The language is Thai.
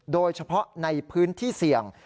โดยเฉพาะในพื้นที่เสี่ยง